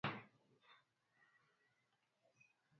kilimo endelevu ni kilimo ambacho hakitategemea